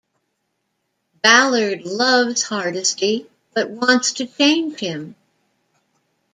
Ballard loves Hardesty but wants to change him.